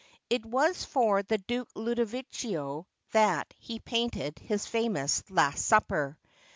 It was for the Duke Ludovico that he painted his famous "Last Supper."